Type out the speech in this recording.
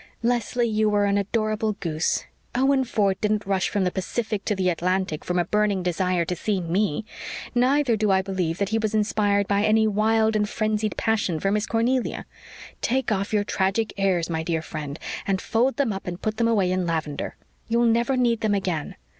"Leslie, you are an adorable goose. Owen Ford didn't rush from the Pacific to the Atlantic from a burning desire to see ME. Neither do I believe that he was inspired by any wild and frenzied passion for Miss Cornelia. Take off your tragic airs, my dear friend, and fold them up and put them away in lavender. You'll never need them again.